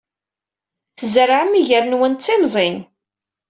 Tzerɛem iger-nwen d timẓin.